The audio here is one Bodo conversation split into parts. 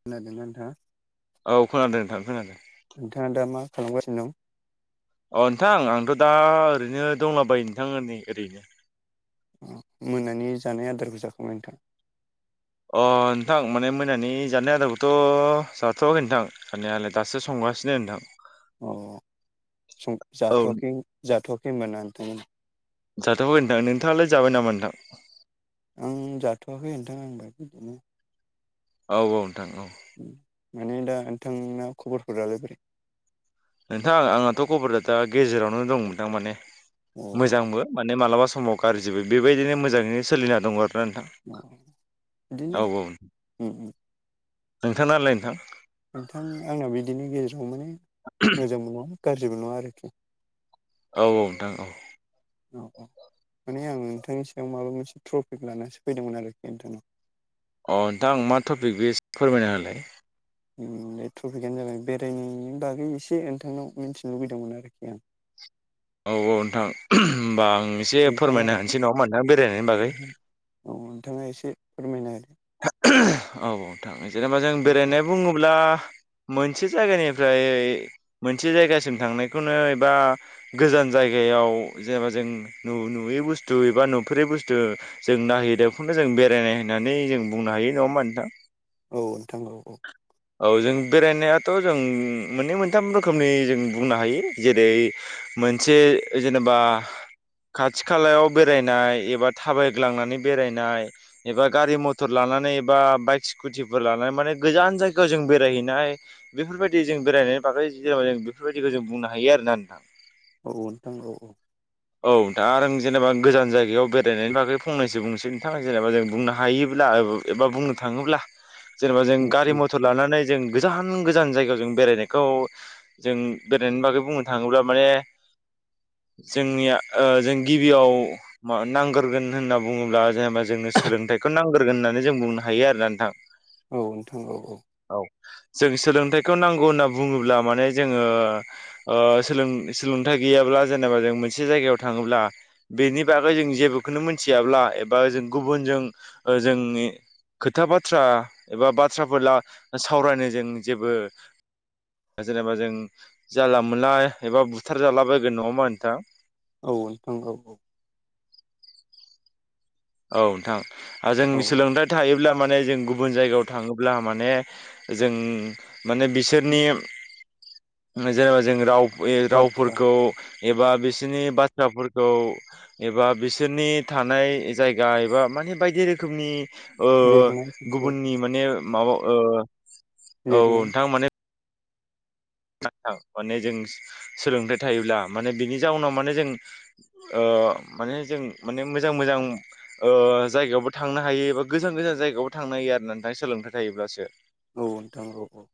खोनादों नोंथाङा? औ खोनादों नोंथां खोनादों। नोंथाङा दा मा खालामगासिनो दं? अ नोंथां आंथ' दा ओरैनो दंलाबायो नोंथां ना ओरैनो। मोनानि जानाय आदारबो जाखांबाय नोंथां? अ नोंथां माने मोनानि जानाय आदारखौथ' जाथ'वाखै नोंथां जानायालाय दासो सं गासिनो नोंथां। अ सं औ जाथ'आखै जाथ'आखै ओमबा नोंथां? जाथ'आखै नोंथां नोंथाङालाय जाबाय नामा नोंथां? आं जाथ'वाखै [inaudible] औ औ नोंथां औ। माने दा नोंथां आ खबरफोरालाय बोरै? नोंथां आंहथ' खबरदा दा गेजेरावनो दं नोंथां माने अ मोजांबो माने मालाबा समाव गाज्रिबो बेबायदिनो मोजाङैनो सोलिना दङ आरो। ओ अ बिदिनो नोंथां औ औ उम उम नोथांनालाय नोंथां? नोंथां आंना बिदिनि गेजेराव माने मोजांबो नङा गाज्रिबो नङा आरोखि। औ औ नोंथां औ। औ औ माने आं नोंथांनि सायाव माबा मोनसे ट्रफिक लानसो फैदोंमोन आरोखि नोंथांनाव। अ दा आं मा टपिक बे फोरमायना होलाय। ओफ्राय ट्रफिकनो जाबाय बेरायनायनि बागै एसे नोंथांनाव मिथिनो लुबैदोंमोन आरोखि आं। औ औ नोंथां होमबा आं एसे नोंथाङा फोरमायनो हानोसै नङा मा बेरायनायनि बागै? औ नोंथाङा एसे फोरमायना होदो। औ औ नोंथां जेनेबा जों होदो बेरायनाय बुङोब्ला मोनसे जायगानिफ्राय मोनसे जायगासिम थांनायखौनो एबा गोजान जायगायाव जेनेबा जों नु नुयै बुस्थु एबा नुफोरै बुस्थु जों नायहै दों खोजों बेरायनाय होननानै जों बुंनो हायो नङा होमबा नोंथां? औ नोंथां औ औ औ जों बेरायनायाथ' जों मोननै मोनथाम रोखोमनि जों बुंनो हायो जेरै मोनसे जेनेबा खाथि खालायाव बेरायनाय एबा थाबायग्लांनानै बेरायनाय एबा गारि मथ मटर लानानै बा बाइक स्कुटिफोर लानानै माने गोजान जायगायाव जों बेरायहैनाय बेफोरबायदि जों जों बेरायनायनि बागै जेना जों बेफोरबायदिखौ जों बुंनो हायो आरोना नोंथां। औ औ नोंथां औ औ। औ दा आरो जेनेबा गोजान जायगायाव बेरायनायनि बागै फंनैसो बुंनोसै नोंथाङा जेनेबा जों बुंनो हायो। ब्ला एबा बुंनो थाङोब्ला जेनेबा जों गारि मथर लानानै जों गोजान गोजान जायगायाव जों बेरायनायखौ जों बेरायनायनि बागै बुंनो थाङोब्ला माने जोंनिया ओ जों गिबियाव मा नांगोरगोन होनना बुङोब्ला जेनेबा जों सोलोंथाइखौ नांग्रोगोन होन्नानै जों बुंनो हायो आरो ना नोंथां। औ नोंथां औ औ। जों सोलोंथाइखौ नांगौ होनना बुङोब्ला माने जोङो ओ सोलों सोलोंथाय गैयाब्ला जेनेबा जों मोनसे जायगायाव थाङोब्ला बेनि बागै जों जेबोखौनो मोनथियाब्ला एबा जों गुबुनजों ओ जोंनि खोथा बाथ्रा एबा बाथ्राफोर ला सावरायनो जों जेबो जेनेबा जों जानला मानला एबा बुथार जाला बायगोन नङा होमबा नोंथां? औ नोंथां औ औ। औ नोंथां आरो जों औ सोलोंथाइ थायोब्ला मे जों गुबुन जायगायाव थाङोब्ला माने जों माने बिसोरनि जेनेबा जों राव ए बाथ्रा रावफोरखौ एबा बिसोरनि बाथ्राफोरखौ एबा बिसोरनि थानाय। जायगा एबा माने बायदि रोखोमनि ओ लिरनायफोरखौ गुबुननि माने माबा ओ औ औ लिरनाय नोंथां माने थां माने जों सोलोंथाइ थायोब्ला माने बिनि जाउनाव माने जों ओ ओ माने जों माने मोजां मोजां ओ जायगायावबो थांनो हायो बा गोजान गोजान जायगायाव थांनो हायो आरो नोंथां सोलोंथाइ थायोब्लासो। औ नोंथां औ औ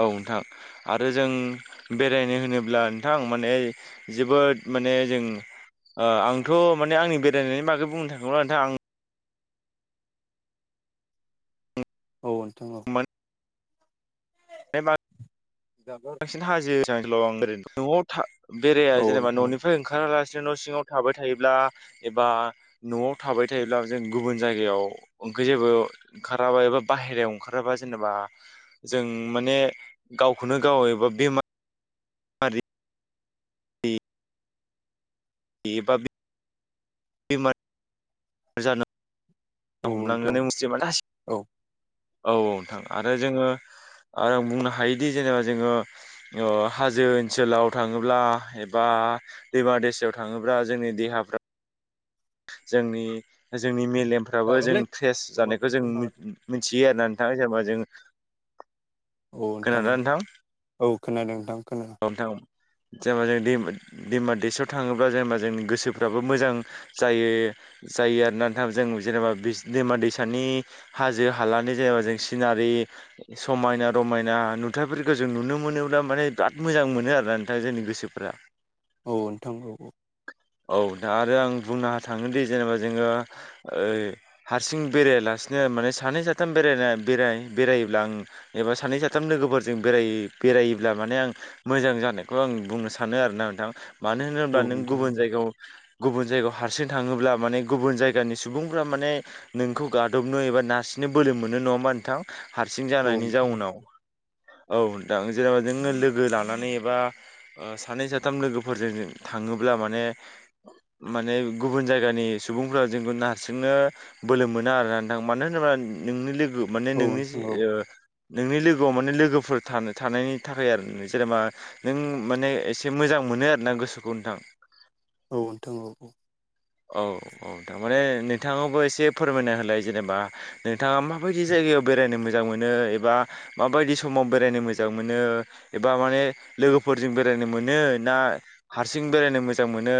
औ नोंथां आरो जों बेरायनो होनोब्ला नोंथां माने जोबोद माने जों ओ आंथ' माने आंनि बेरायनायनि बागै बुंनो थाङोब्ला नोंथां आं औ नोंथां औ बे मा बांसिन हाजो ओनसोलाव आं ओरैनो न'आव था बेराया औ जेनेबा नोंथां न'निफ्राय ओंखारालास [unintelligible] न' सिङाव थाबाय थायोब्ला एबा न'आव थाबाय थायोब्ला जों गुबुन जायगायाव [unintelligible] जेबो ओंखाराबा एबा बाहहेरायाव ओंखाराबा जेनेबा जों माने गावखौनो गाव एबा बेमा आरि दि बेबा बि बेमार जानो औ हमलांओ नोंथां नो [unintelligible] औ औ औ नोंथां आरो जोङो आरो आं बुंनो हायोदि जेनेबा जोङो ओ हाजो ओनसोलाव थाङोब्ला एबा दैमा दैसायाव थाङोब्ला जोंनि देहा [inaudible] जोंनि जोंनि मेलेमफ्राबो जों जागोनलै फ्रेस जानायखौ जों अमाखौसो मिथ माबादों मिथियो आरोना नों थां जेनबा जों औ नोंथां औ औ खोनादों नोंथां खोनादों औ नोंथां औ जेनेबा जों दैमा दैसायाव थाङोब्ला जेनेबा जों गोसोफ्राबो मोजां जायो जायो आरो ना नोंथां जों जेनेबा बिस दैमा दैसानि हाजो हालानि जेनेबा जों सिना रि समायना रमायना नुथायाइफोरखौ जों नुनो मोनोब्ला माने बिराद मोजां मोनो आरोना नोंथां जोंनि गोसोफ्रा औ नोंथां औ औ औ नोंथां आरो आं बुंनो थाङोन दि जेनेबा जोङो ओइ हारसिं बेरायला सिनो माने सानै साथाम बेरायना बेरा बेरायोब्ला आं एबा सानै साथाम लोगोफोरजों बेराय बेरायोब्ला माने आं मोजां जानायखौ आं बुंनो सानो आरो ना नोंथां मानो होनोब्ला औ नों नोंथां गुबुन औ जायगायाव गुबुन जायगायाव हारसिं थाङोब्ला माने गुबुन जायगानि सुबुंफ्रा माने नोंखौ गादबनो एबा नारसि बिदिनो बोलो मोनो नङा होनबा नोंथां हारसिं औ जानायनि नोंथां जाउनाव औ नोंथां जेनेबा जोंङो लोगो लानानै एबा ओ सानै साथाम लोगोफोरजों थाङोब्ला माने माने गुबुन जायगानि सुबुंफ्रा जोंखौ नारसिंनो बोलो मोना आरो ना नोंथां मानो होनोब्ला नोंनि लोगो माने औ औ नोंनि नोंथां औ ओ नोंनि लोगोआव माने लोगोफोर थान थानायनि थाखाय आरो जेनेबा नों माने एसे मोजां मोनो आरो ना गोसोखौ नोंथां औ नोंथां औ औ औ औ थारमाने नोंथाङावबो एसे फोरमायना होलाय जेनेबा नोंथाङा माबायदि जाय जायगायाव बेरायनो मोजां मोनो एबा माबायदि समाव बेरायनो मोजां मोनो? एबा माने लोगोफोरजों बेरायनो मोनो ना हारसिं बेरायनो मोजां मोनो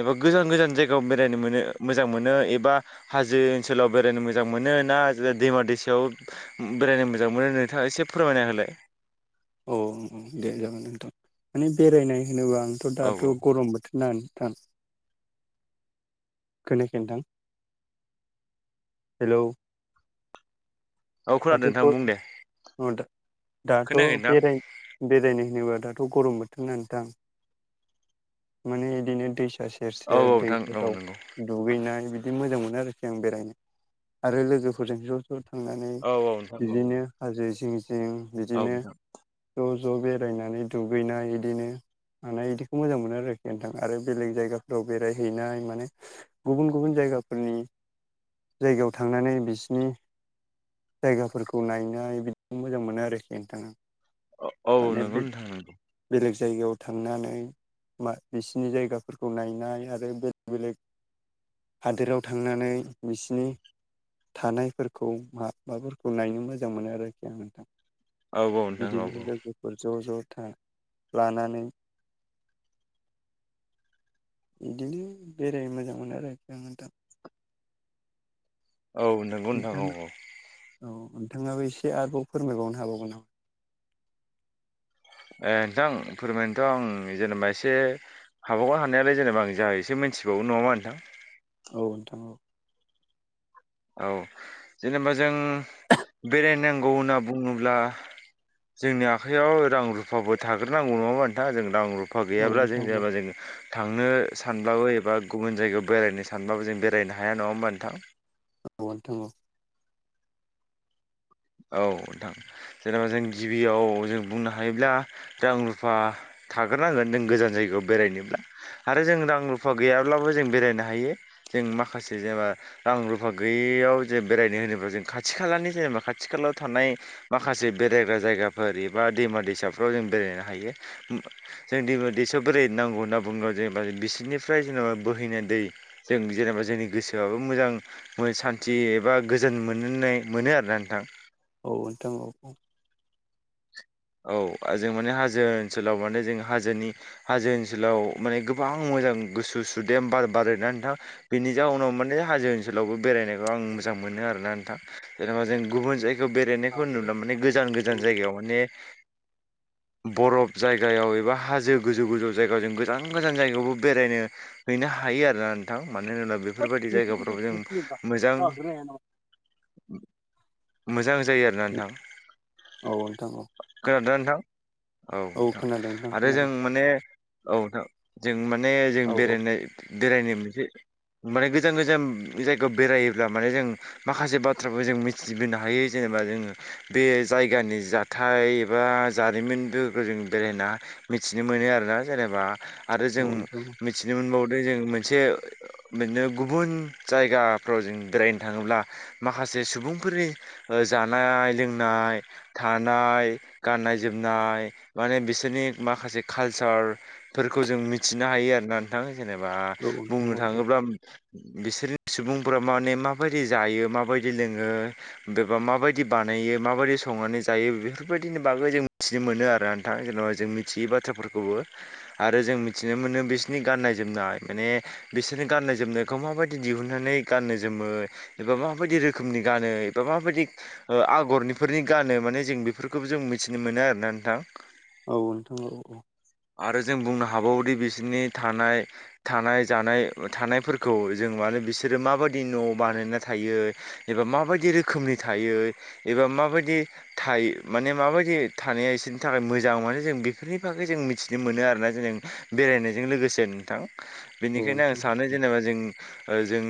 एबा गोजान गोजान जायगायाव बेरायनो मोनो मोजां मोनो एबा हाजो ओनसोलाव बेरायनो मोजां मोनो ना दैमा दैसायाव बेरायनो मोजां मोनो नोंथाङा एसे फोरमायना होलाय औ दे जागोन नोंथां माने बेरायनाय होनोबा आंथ' औ दाथ' औ गरम बोथोर ना नोंथां खोनायाखै नोंथां हेलौ औ खोनादो नोंथां बुं दे अ दा दाथ' खोनायाखै नोंथां बेराय बेरायनाय होनोबा दाथ' गरम बो [unintelligible] ना नोंथां माने इदिनो दैसा सेर औ सेर नोंथां औ दैफोराव नंगौ दुगैनाय बिदि मोजां मोनो आरोखि आं बेरायनो आरो लोगोफोरजों ज' ज' थांनानै औ औ नोंथां औ बिदिनो हाजो जिं जिं औ बिदिनो नोंथां ज' ज' बेरायनानै दुगैनाय इदिनो मानाय इदिखौ मोजां मोनो आरोखि नोंथां आरो बेलेग जायगाफोराव बेरायहैनाय माने गुबुन गुबुन जायगाफोरनि जायगायाव थांनानै बिसिनि जायगाफोरखौ नायनाय बिदि मोजां मोनो आरोखि नोंथाङा। अ औ नंगौ नोंथां नंगौ। बेलेग जायगायाव थांनानै मा बिसिनि जायगाफोरखौ नायनाय आरो बेलेग बेलेग [inaudible] हादोराव थांनानै बिसिनि थानायफोरखौ हा माबाफोरखौ नायनो मोजां मोनो आरोखि आं नोंथां। औ नोंथां औ बिदिनो लोगोफोर ज' ज' था लानानै [inaudible] बिदि बे जेरै मोजां मोनो आरो [unintelligible] औ नोंगौ नोंथां औ औ। औ नोंथाङाबो एसे आरोबाव फोरमायबावनो हाबावगोन नामा? ए नोंथां फोरमायनोथ' आं जेनेबा एसे हाबावगोन हानायालाय जेनेबा आं जा एसे मिथिबावौ नङामा नोंथां? औ नोंथां औ। औ जेनेबा जों बेरायनांगौ होनना बुङोब्ला जोंनि आखयाव रां रुफाबो थाग्रोनांगौ नङामा नोंथां जों रां रु फा औ गैयाब्ला जों नोंथां औ जेनेबा जोङो थांनो सानब्लाबो एबा गुबुन जायगायाव बेरायनो सानब्लााबो जों बेरायनो हाया नङा होमबा नोंथां? औ नोथां औ। औ थां जेनेबा जों गिबियाव जों बुंनो हायोब्ला दां रुफा थाग्रो नांगोन नों गोजान जायगायाव बेरायनोब्ला। आरो जों रां रुफा गैयाब्लाबो जों बेरायनो हायो, जों माखासे जेनेबा रां रुफा गैयै बेयाव जे बेरायनो होनोब्ला जों खाथि खालानि जेनेबा खा थिखालाव थानाय माखासे बेरायग्रा जायगाफोर एबा दैमा दैसाफ्राव जों बेरायनो हायो। जों दैमा दैसा बोरायनो नांगौ होनना बुंबा जेनेबा जों बिसोरनिफ्राय जेनेबा बोहैनाय दै जे जेनेबा जोंनि गोसोआबो मोजां मो सान्थि एबा गोजोन मोननोनै मोनो आरोना नोंथां। अ नोथां औ। औ आ जों माने हाजो ओनसोलाव माने जों हाजोनि हाजो ओनसोलाव माने गोबां मोजां गोसु सुदे बार बारो ना नोंथां, बेनि जाउनाव माने हाजो ओनसोलावबो बेरायनायखौ आं मोजां मोनो आरोना नोंथां, जेनेबा जों गुबुन जायगायाव बेरायनायखौ नुला माने गोजान नोंथां गोजान औ जायगायाव माने बरफ जायगायाव एबा हाजो गोजौ गोजौ जायगायाव जों गोजान गोजान जायगायावबो बेरायनो है नो हायो आरोना नोंथां। मानो होनोबो होद बेफोरबायदि नोंसो जायगाफ्राव जों बोसोरसेल'सैब्रा मोजां [inaudible] जाग्रोनो हाया नामा? मोजां जायो आरोना औ नोंथां औ। खोनादोना नोंथां? औ नोंथां खोनादों नोंथां आरो जों खोनादों माने औ नोंथां जों माने जों औ औ बेरायनाय बेरायनो मोनसे माने गोजान गोजान जायगायाव बेरायोब्ला माने जों माखासे बाथ्राफोर जों मिथिबोनो हायो जोङो। बा जोङो बे जायगानि जा थाय एबा जारिमिन दोहोखो जों बेरायना मिथिनो मोनो आरोना जेनेबा आरो जों औ नोंथां मिथिनो मोनबावदो जों मोनसे बिदिनो गुबुन जायगाफ्राव जों बेरायनो थाङोब्ला माखासे सुबुंफोरनि जानाय, लोंनाय, था नाय गाननाय, जोमनाय, माने बिसोरनि माखासे कालसारफोरखौ जों मिथिनो हायो आरोना नोंथां जेनेबा औ औ नोंथां बुंनो औ औ थाङोब्ला बिसोरनि सुबुंफोरा माने माबायदि जायो माबायदि लोङो बेबा माबायदि बानायो माबायदि संनानै ज जायो बेफोरबायदिनि बागै जों मिथिनो मोनो आरो नोंथां जेन'बा जों मिथियै बाथ्राफोरखौबो आरो ज जों मिथिनो मोनो बिसोरनि गाननाय जोमनाय माने बिसोरनि गाननाय जोमनायखौ माबायदि दिहुननानै गान नो जोमो एबा माबायदि रोखोमनि गानो एबा माबायदि ओ आगरनिफोरनि गानो माने जों बेफोरखौबो जों मिथिनो मोनो आरोना नोंथां। औ नोंथां औ औ। हाबावदि बिसोरनि थानाय थानाय जानाय थानायफोरखौ जों माने बिसोरो माबायदि बायदि न' बानाया थायो एबा माबायदि रोखोमनि थायो एबा माबायदि थायो माने माबायदि थानाया बिसोरनि थाखाय मोजां मानो जों बेफोरनि बागै जों मिथिनो मोनो आरोना जोङो बेरायनायजों लोगोसे नोंथां औ बेनिखायनो आं नोंथां औ सानो जेनेबा जों ओ जों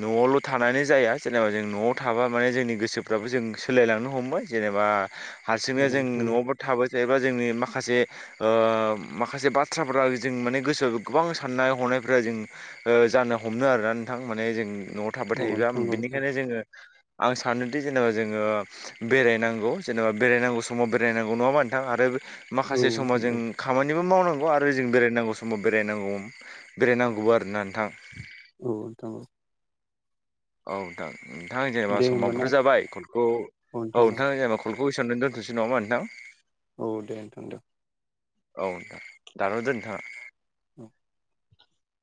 न'आवल' थानानै जाया जेनेबा जों न'आव थाबा माने जोंनि गोसोफ्राबो जों सोलायलांनो हमबाय जेनेबा हारसिंनो जों न'आवबो थाबाय थायोबा जोंनि माखासे ओ माखासे बाथ्राफ्रा जों माने गोसोआव गोबां साननाय हनायफोरा जों जानो हमनो आरोना नोंथां माने जों न'आव थाबाय थायोबा नोंथां औ नोंथां औ औ बिनिखायनो जोङो आं सानोदि जेनेबा जोङो बेरायनां गौ जेनेबा बेरायनांगौ समाव बेरायनांगौ नङाबा नोंथां आरो माखासे औ समाव नोंथां जों औ खामानिबो मावनांगौ आरो आरो जों बेरायनांगौ समाव बेरायनांगौ बेरायनांगौबो आरोना नोंथां। औ नोंथां औ। औ नोंथां नोंथां जेनेबा दे होमबा ना समावथ' जाबाय कलखौ औ नोंथां जेनेबा कल कइसननानै दोनथ'सै नङा होमबा नोंथां। औ दे नोंथांदो औ नोंथां दान' दोन नोंथाङा। द [unintelligible]